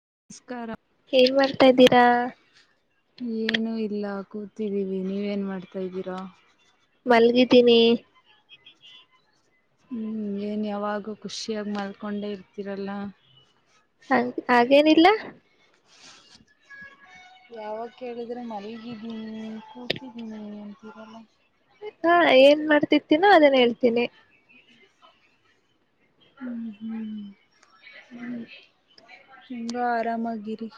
[unintelligible] ಏನ್ ಮಾಡ್ತಾ ಇದ್ದೀರಾ ಏನು ಇಲ್ಲ ಕೂತಿದ್ದೀವಿ ನೀವೇನ್ ಮಾಡ್ತಾದೀರಾ ಮಲ್ಗಿದ್ದೀನಿ ಹ್ಮ್ ಏನ್ ಯಾವಾಗ ಖುಷಿಯಾಗಿ ಮಾಡ್ಕೊಂಡೆ ಇರ್ತರಲ್ಲ [unintelligible] ಏನಿಲ್ಲ ಯಾವಾಗ ಕೇಳಿದ್ರೆ ಮಲಗಿದ್ದೀನಿ ಕೂತಿದ್ದೀನಿ ಅಂತೀರಲ್ಲ ಹಾ ಏನ್ ಮಾಡ್ತಿತ್ತೀನೋ ಅದನ್ ಹೇಳ್ತೀನಿ ಹ್ಮ್ ಹ್ಮ್ ಹೆಂಗೋ ಆರಾಮಾಗಿರಿ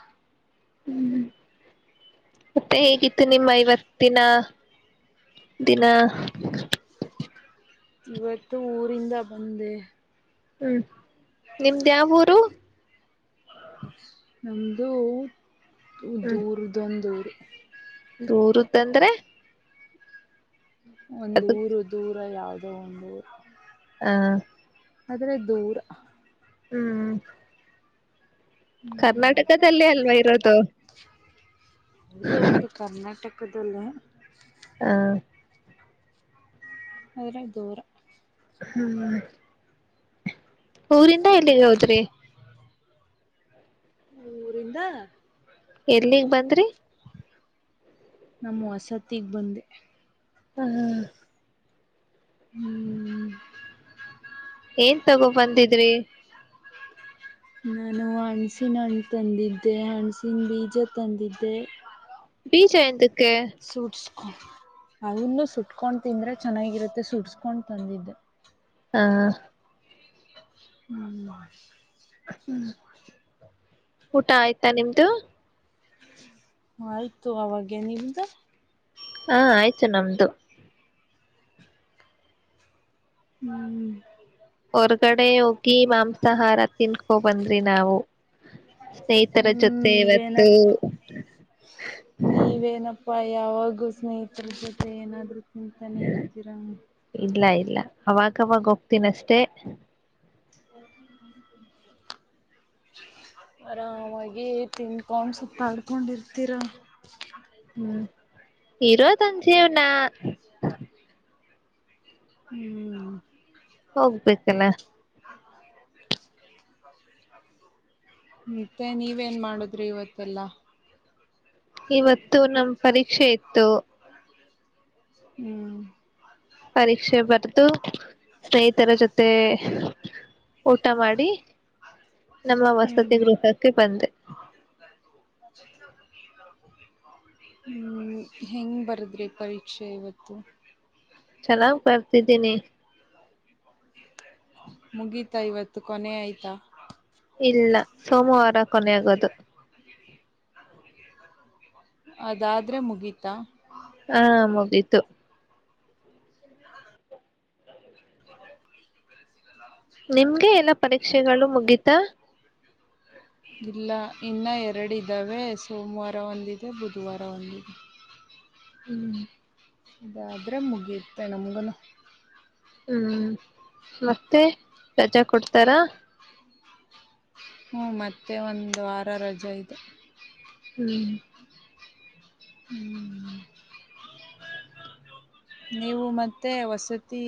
ಹ್ಮ್ ಮತ್ತೆ ಹೇಗಿತ್ತು ನಿಮ್ಮ ಇವತ್ತಿನ [unintelligible] ದಿನ ಇವತ್ತು ಊರಿಂದ ಬಂದೆ ಹ್ಮ್ ನಿಮ್ದ ಯಾವ್ ಊರು ನಮ್ದು ದೂರ ದೊಂದುರು ಊರುದಂದ್ರೆ ಒಂದ ಊರು ದೂರ ಯಾವ್ದ [unintelligible] ಹಾ ಆದ್ರೆ ದೂರ ಹ್ಮ್ ಕರ್ನಾಟಕದಲ್ಲೇ ಅಲ್ವಾ ಇರೋದು [unintelligible] ಹೌದು ಹೌದು ಕರ್ನಾಟಕ ಕದಲ್ಲೇ ಹ ಆದ್ರೆ ದೂರ ಹ್ಮ ಊರಿಂದ ಎಲ್ಲಿಗೆ ಹೋದ್ರಿ ಊರಿಂದ [unintelligible] ಎಲ್ಲಿಗ್ ಬಂದ್ರಿ ನಮ್ಮ್ ವಸತಿ ಬಂದೆ ಹ್ಮ್ ಹ್ಮ್ ಏನ್ ತಗೋ ಬಂದಿದ್ರಿ ನಾನು ಹಣಸಿನ ಹಣ್ಣು ತಂದಿದ್ದೆ ಹಣಸಿನ ಬೀಜ ತಂದಿದ್ದೆ ಬೀಜ ಎಂತಕ್ ಸೂಟ್ಸ್ ಅವನ್ನು ಸುಟ್ಕೊಂಡ್ ತಿಂದ್ರೆ ಚೆನ್ನಾಗಿರುತ್ತೆ ಸುಡ್ಸ್ಕೊಂಡ್ ತಂದಿದ್ದೆ ಹಾ ಹ್ಮ ಹ್ಮ್ ಊಟ ಆಯ್ತಾ ನಿಮ್ದು ಆಯ್ತು ಅವಾಗೆ ನಿಮ್ದು ಹಾ ಆಯ್ತು ನಮ್ದು ಹ್ಮ್ ಹೊರ್ಗಡೆ ಹೋಗಿ ಮಾಂಸಾಹಾರ ತಿನ್ಕೋಬಂದ ಬಂದ್ವಿ ನಾವು ಸ್ನೇಹಿತರ ಹ್ಮ್ ಜೊತೆ ನೀವೇನ ಇವತ್ತು ಪ ನೀವೇನಪ ಪ ಯಾವಾಗೂ ಸ್ನೇಹಿತರ ಜೊತೆ ಏನಾದ್ರುೂ ತಿಂತಾನೆ ಇರ್ತೀರ ಇಲ್ಲಾ ಅವಾಗವಾಗ ಹೋಗ್ತೀನ ಅಷ್ಟೇ ಆರಾಮಾಗಿ ತಿನ್ಕೊಂಡ್ ಸುತ್ತಡ್ಕೊಂಡ ಇರ್ತೀರಾ ಹ್ಮ್ ಇರೋದ್ ಒಂದ್ ಜೀವನಾ ಹ್ಮ್ [unintelligible] [unintelligible] ಮತ್ತೆ ನೀವೇನ್ ಮಾಡುದ್ರಿ ಇವತ್ತೆಲ್ಲಾ ಇವತ್ತು ನಮ್ ಪರೀಕ್ಷೆ ಇತ್ತು ಹ್ಮ್ ಪರೀಕ್ಷೆ ಬರ್ದು ಸ್ನೇಹಿತರ ಜೊತೆ ಊಟ ಮಾಡಿ ನಮ್ಮ ವಸ್ತ ಹ್ಮ್ ಸತ್ಯಗ್ರಹಕ್ಕೆ ಬಂದೆ ಹ್ಮ್ ಹೆಂಗ್ ಬರದ್ರಿ ಪರೀಕ್ಷೆ ಇವತ್ತು ಚೆನ್ನಾಗ್ ಬರ್ತಿದ್ದೀನಿ ಮುಗೀತಾ ಇವತ್ತು ಕೊನೆ ಆಯ್ತಾ ಇಲ್ಲ ಸೋಮವಾರ ಕೊನೆಯಾಗದು ಅದಾದ್ರೆ ಮುಗೀತಾ ಹಾ ಮುಗೀತು [unintelligible] ನಿಮ್ಗೆ ಎಲ್ಲ ಪರೀಕ್ಷೆಗಳು ಮುಗೀತಾ ಇಲ್ಲ ಇನ್ನ ಎರಡಿದ್ದಾವೆ ಸೋಮವಾರ ಒಂದಿದೆ ಬುಧವಾರ ಒಂದಿದೆ ಹ್ಮ್ ಅದಾದ್ರೆ ಮುಗಿತ್ [unintelligible] ನಮುಗುನು ಹ್ಮ್ ಮತ್ತೆ ರಜಾ ಕೊಡ್ತಾರ ಹ್ಮ ಮತ್ತೆ ಒಂದ್ ವಾರ ರಜೆ ಇದೆ ಹ್ಮ್ ಹ್ಮ್ ನೀವು ಮತ್ತೆ ವಸತಿ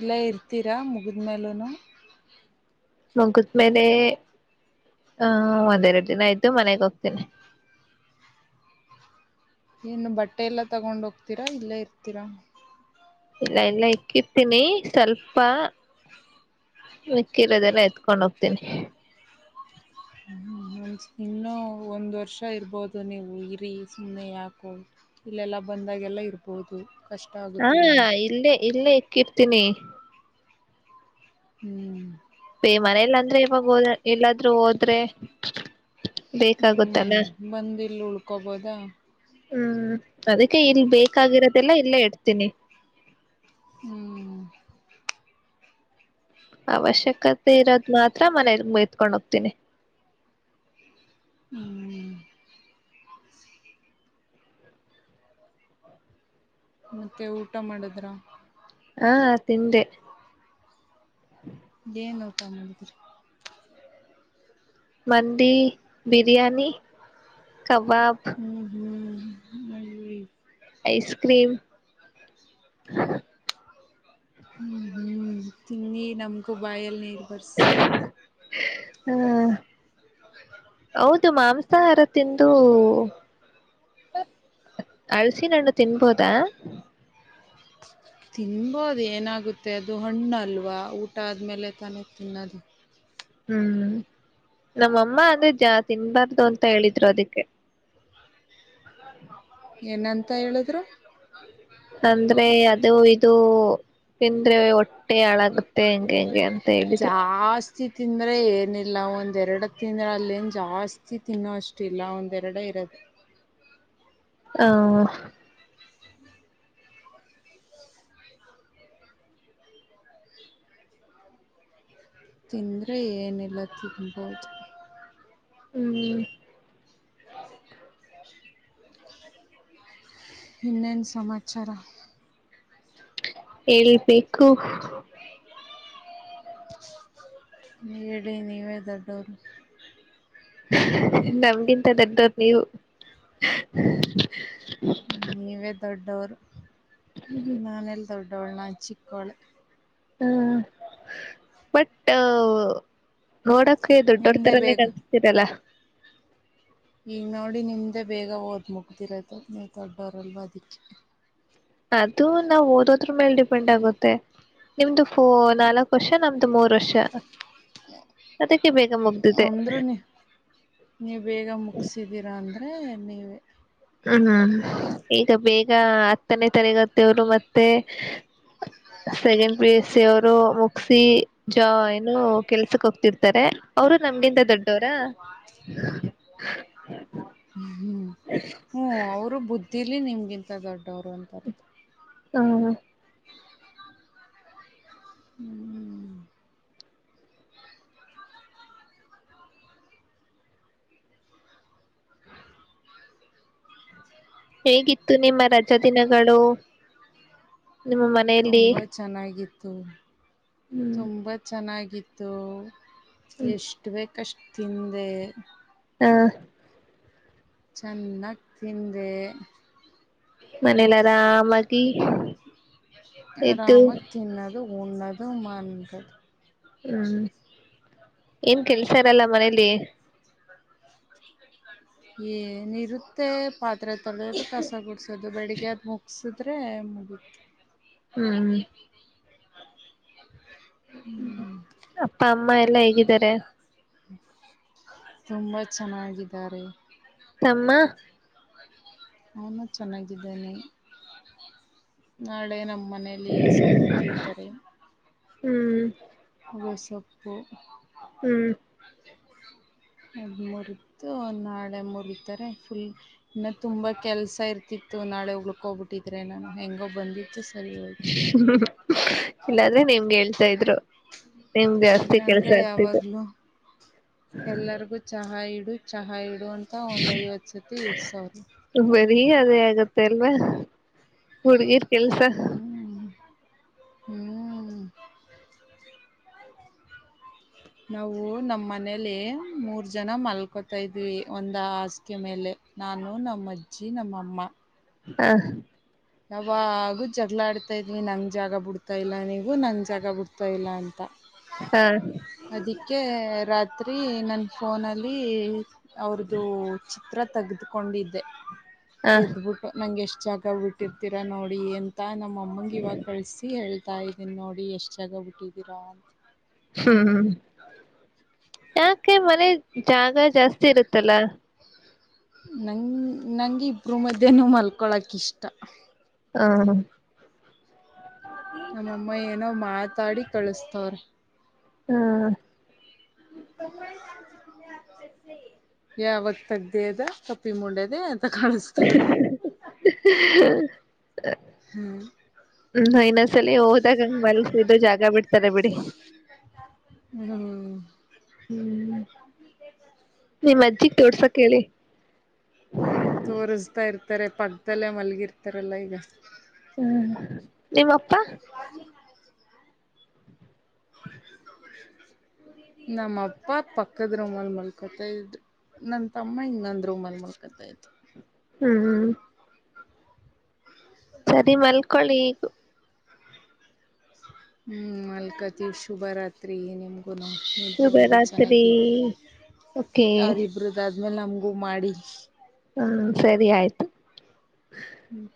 ಇಲ್ಲ ಇರ್ತೀರಾ ಮಗ ಗೆದ್ಮೇಲನು ಮುಗತ್ ಮೇಲೆ ಆಹ ಒಂದೆರಡು ದಿನ ಆಯ್ತು ಮನೆಗೆ ಹೋಗ್ತೇನೆ. ಏನು ಬಟ್ಟೆ ಎಲ್ಲಾ ತಗೊಂಡ ಹೋಗ್ತೀರಾ ಇಲ್ಲೇ ಇಡ್ತೀರಾ? ಇಲ್ಲ ಎಲ್ಲ ಇಕ್ಬಿಟ್ಟು ತನಿ ಸ್ವಲ್ಪ ಮಕ್ಕಿರೋದೆಲ್ಲ ಎತ್ಕೊಂಡ್ ಹೋಗ್ತೀನಿ. ಹ ಇನ್ನೂ ಒಂದ್ ವರ್ಷ ಇರ್ಬಹುದು ನೀವು ಇರಿ ಸುಮ್ಮನೆ ಯಾಕೋ ಇಲ್ಲೆಲ್ಲ ಬಂದಾಗೆಲ್ಲ ಇರ್ಬಹುದು. ಹಾ ಇಲ್ಲೇ ಇಲ್ಲೇ ಇ ಕಿರ್ತನಿ ಹ್ಮ್ ಬೇ ಮನೇಲ್ಲ ಅಂದ್ರೆ ಇವಾಗ ಹೋದ ಎಲ್ಲಾದ್ರೂ ಹೋದ್ರೆ ಬೇಕಾಗುತ್ತಲ್ಲ ಹ್ಮ್ ಬಂದ ಇಲ್ಲಿ ಉಳ್ಕೋಬೋದಾ ಹ್ಮ್ ಅದಕ್ಕೆ ಇಲ್ ಬೇಕಾಗಿರೋದೆಲ್ಲ ಇಲ್ಲೇ ಇಡ್ತೀನಿ. ಹ್ಮ್ ಅವಶ್ಯಕತೆ ಇರೋದ ಮಾತ್ರ ಮನೆಗೆ ಎತ್ಕೊಂಡ ಹೋಗ್ತೀನಿ. ಹ್ಮ್ ಮತ್ತೆ ಊಟ ಮಾಡಿದ್ರ? ಹ ಅ ತಿಟ ಇದೇ ನೋಕಾ ಮಾಡಿದ್ರಿ. ಮಂದಿ ಬಿರಿಯಾನಿ ಕಬಾಬ್ ಹ್ಮ್ ಹ್ಮ್ ಅಯ್ಯೋ. ಐಸ್ ಕ್ರೀಮ್ ಹ್ಮ್ ಹ್ಮ್ ತಿನ್ನಿ ನಮ್ಕ್ ಬಾಯ ಎಲ್ಲ ಇ ಬರ್ಷ ಹಾ ಹೌದು ಮಾಂಸಾಹಾರ ತಿಂದು [unintelligible] ಹಳಸಿನಣ್ಣು ತಿನ್ಬೋದಾ? ತಿನ್ಬೋದು ಏನಾಗುತ್ತೆ, ಅದು ಹಣ್ಣು ಅಲ್ವಾ ಊಟ ಆದ್ಮೇಲೆ ತಾನೇ ತಿನ್ನೋದು. ಹ್ಮ್ ನಮ್ಮಮ್ಮ ಜಾಸ್ತಿ ತಿನ್ಬಾರ್ದು ಅಂತ ಹೇಳಿದ್ರು ಅದಕ್ಕೆ. ಏನಂತ ಹೇಳಿದ್ರು ಹ ಅಂದ್ರೆ ಅದು ಇದು ತಿಂದ್ರೆ ಹೊಟ್ಟೆ ಅಳಗ ಜಾಸ್ತಿ ತಿಂದ್ರೆ ಏನಿಲ್ಲ ಒಂದೆರೆಡು ತಿಂದ್ರೆ ಅಲ್ಲಿ ಜಾಸ್ತಿ ತಿನ್ನೋ ಅಷ್ಟ ಇಲ್ಲ ಒಂದೆರಡ ಇರದು. ಹ ತಿಂದ್ರೆ ಏನಿಲ್ಲ ತಿನ್ನಬೋದು ಹ್ಮ್ [inaudible] ಇನ್ನೆನ ಸಮಾಚಾರ ಹೆಕ್ಬೇಕು ಸಕ್ಕು ಹೇಳಿ ನೀವೇ ದೊಡ್ಡರು. ನಮ್ಗಿಂತ ದೊಡ್ಡೋರು ನೀವು ನೀವೇ ದೊಡ್ಡವರು. ನಾನ ಎಲ್ಲ ದೊಡ್ಡವಳು ದೊಡ್ಡವಳ ನಾ ಚಿಕ್ಕವಳ ಹಾ ಬಟ್ ನೋಡಕ ದೊಡ್ಡೋರ್ ನಿಮ್ದೇ ತರನೇ ಬೇಗ ಕಾಣಿಸತೀರಲ್ಲ ಈಗ ನೋಡಿ ನಿಮ್ದೇ ಬೇಗ ಓದ್ ಮುಗದಿರೋದ ನೀವು ದೊಡ್ಡವರಲ್ವ ಅದಕ್ಕೆ. ಅದು ನಾವು ಓದೋದ್ರ ಮೇಲೆ ಡಿಪೆಂಡ್ ಆಗುತ್ತೆ ನಿಮ್ದು ಫೋನ್ ನಾಲ್ಕು ವರ್ಷ ನಮ್ದು ಮೂರ್ ವರ್ಷ ಅದಕ್ಕೆ ಬೇಗ ಮುಗ್ದಿದೆ. ಅಂದ್ರೂ ನೀವು ಹ್ಮ ನೀವೆ ಹ್ಮ್ ಈಗ ಬೇಗ ಹತ್ತನೇ ತರಗತಿಯವರು ಮತ್ತೆ ಸೆಕೆಂಡ್ ಪಿ ಯು ಸಿ ಅವರು. ಸಿ ಜಾ ಏನು ಕೆಲ್ಸಕ್ ಹೋಗ್ತಿರ್ತಾರೆ ಅವರು ನಮಗಿಂದ ದೊಡ್ಡವರ ಹ್ಮ್ ಅವರು ಬುದ್ಧಿಲಿ ನಿಮಗಿಂತ ದೊಡ್ಡವರು ಮತ್ತೆ ದೊಡ್ಡವರು ಅಂತರ್ತ. ಹಾ ಹ್ಮ್ ಹೇಗಿತ್ತು ನಿಮ್ಮ ರಜಾ ದಿನಗಳು ನಿಮ್ಮ ಮನೆಯಲ್ಲಿ ತು ಹ್ಮ್ ತುಂಬಾ ಚೆನ್ನಾಗಿತ್ತು. ಬಿತ್ತು ಹ್ಮ್ ಎಷ್ಟುಬೇಕ ಕಷ್ಟ ತಿಂದೆ ಹಾ ಚೆನ್ನಾಗ ತಿಂದೆ ಮನೆಲಿ ಆರಾಮಾಗಿ ಇದ್ದು. ಉನ್ನದು ಮ ಹ್ಮ್ ಏನ್ ಕೆಲ್ಸಾರಲ್ಲ ಮನೇಲಿ ಏನಿರುತ್ತ ಪ ಹತ್ರ ತೊೋದು ಕಸ ಗಡಸೋದು ಬೆಳಗ್ಯದ ಮುಗಸ್ ಅಂದ್ರೆ ಮುಗುತ್ತ ಹ್ಮ್ ಹ್ಮ ಅಪ್ಪ ಅಮ್ಮ ಅಮ್ಮ ಎಲ್ಲಾ ಹೇಗಿದ್ದಾರೆ? ತುಂಬಾ ಚೆನ್ನಾಗಿದ್ದಾರೆ. ತಮ್ಮ ಅವನು ಚೆನ್ನಾಗಿದ್ದನೆ ನಾಳೆ ನಮ್ಮ ಮನೇೆಯಲ್ಲಿ ಸೊಪ್ಪು ಮೂರಿತಾರೆ ಹ್ಮ್ ಹ್ಮ್ ಅದ ಮುರದು ನಾಳೆ ಮುರಿತಾರೆ ಫುಲ್ ಇನ್ನು ತುಂಬಾ ಕೆಲ್ಸ ಇರ್ತಿತ್ತು ನಾಳೆ ಉಳಕೋಗ್ಬಿಟ್ಟಿದ್ರೆ ನಾನು ಹೆಂಗೋ ಬಂದಿ ಇಲ್ಲಾದ್ರೆ ನಿಮ್ಗೆ ಹೇಳ್ತಾ ಇದ್ರು ನಿಮ್ ಜಾಸ್ತಿ ಕೆಲ್ಸ ಇಲ್ಲಾಂದ್ರೆ ಆಗ್ತಿದೆ ಯಾವಾಗ್ಲು ಎಲ್ಲರಿಗು ಚಾ ಹಾ ಇಡು ಚಹಾ ಇಡು ಇಡು ಅಂತ ಒಂದ ಐವತ್ತು ಸತಿ ಇಡಸವರೂ ಬರಿ ಅದೇ ಆಗತ್ತೆ ಅಲ್ವಾ ಹುಡ್ಗಿರ್ ಕೆಲ್ಸ ಹ್ಮ್ ನಾವು ನಮ್ಮ ಮನೇಲಿ ಮೂರ್ ಜನ ಮಲ್ಕೊತಾ ಇದ್ವಿ ಒಂದ ಹಾಸಿಗೆೆ ಮೇಲೆ ನಾನು, ನಮ್ಮ ಅಜ್ಜಿ, ನಮ್ಮಅಮ್ಮ ಹ ಯಾವಾಗು ಜಗಳ ಆಡ್ತಾ ಇದ್ವಿ ನಂಗ ಜಾಗ ಬುಡ್ತಾ ಇಲ್ಲ ನೀವು ನಂಗ ಜಾಗ ಬುಡ್ತಾ ಇಲ್ಲ ಅಂತ ಹಾ ಅದಿಕ್ಕೆ ರಾತ್ರಿ ತ್ರಿ ನನ್ನ ಫೋನಲ್ಲಿ ಅವ್ರ್ದು ಚಿ ತ್ರ ತಗದಕೊಂಡಿದ್ದೆ ಹ ಎದ್ಬಿಟ್ಟು ನಂಗೆ ಎಷ್ಟ ಜಾಗ ಬಿಟ್ಟ ತಿರಾ ನೋಡಿ ಅಂತ ನಾ ನಮ್ಮ ಅಮ್ಮಂಗ ಇವಾಗ ಕಳಿಸಿ ಹೇಳ ಹೇಳತಾ ಇದ್ದೀನಿ ನೋಡಿ ಎಷ್ಟ್ ಜಾಗ ಬಿಟ್ಟಿದ್ದೀರಾ ಅಂತ ಹ್ಮ್ ಹ್ಮ್ ಯಾಕ ಕೆ ಮನೆ ಜಾಗ ಜಾಸ್ತಿ ಇರತ್ತಲ್ಲ ನಂ ನಂಗೆ ಇಬ್ರು ಮದ್ಯೆ ನು ಮಲ್ಕೊಳಕ ಇಷ್ಟ ಹಾ ನಮ್ಮಮ್ಮ ಏನೋ ಮಾತಾಡಿ ಕಳಸ್ತವ್ರೆ. ಹಾ ಯಾವಾಗ್ ತಗ್ದಿ ಅದ. ಕಪ್ಪಿ ಮುಂಡೆದೆ ಕಾಣಿಸತ್ತವ್ರೆ ಹ್ಮ್ ಹ್ಮ ಹ ಇನ್ನ ಸಲ ಹೋದಾಗಂಗ ಮಲ್ಸಿದ ಜಾಗ ಬಿಡ್ತಾರೆ ಬಿಡಿ ಹ್ಞೂ ಹ್ಮ್ ನೀಮ್ ಅಜ್ಜಿಗ್ ತೋಡ್ಸಕ್ ಹೇಳಿ. ಹ ತೋರಿಸ್ತಾ ಇರ್ತಾರೆ ಪಕ್ಕದಲ್ಲೇ ಮಲ್ಗಿರ್ತಾರಲ್ಲ ಈಗ. ಹ್ಮ್ ನಿಮ್ಮಪ್ಪ? ನಮ್ಮ ಅಪ್ಪ ಪಕ್ಕದ ರೂಮಲ್ ಮಲ್ಕೊತ ಇದ್ರು ನನ್ ತಮ್ಮ ಇನ್ನೊಂದ್ ರೂಮಲ್ ಮಲ್ಕೊತ ಇದ್ರು. ಹ್ಮ್ ಹ್ಮ್ ಸರಿ ಮಲ್ಕೊಳ್ಳಿ ಈಗ ಹ್ಮ್ ಮಲ್ಕತಿವ್ ಶುಭರಾತ್ರಿ ನಿಮ್ಗುನು ನಿದ್ದೆ ಮಾಡಿ ಚೆನ್ನಾಗಿ ಶುಭರಾತ್ರಿ ಓಕೆ ಅವರಿಬ್ರುದಾ ದ್ಮೇಲೆ ನಮಗೂ ಮಾಡಿ ಹ್ಮ್ ಸರಿ ಆಯ್ತು. ಹ್ಮ್